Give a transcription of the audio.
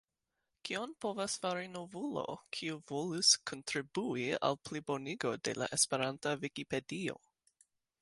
Kion povas fari novulo, kiu volus kontribui al plibonigo de la esperanta Vikipedio?